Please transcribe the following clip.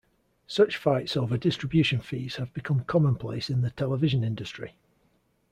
Such fights over distribution fees have become commonplace in the television industry.